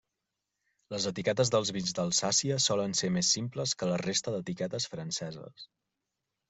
Les etiquetes dels vins d'Alsàcia solen ser més simples que la resta d'etiquetes franceses.